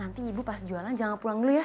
nanti ibu pas jualan jangan pulang dulu ya